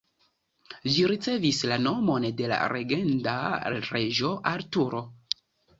Ĝi ricevis la nomon de la legenda reĝo Arturo.